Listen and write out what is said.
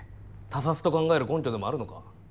他殺と考える根拠でもあるのか？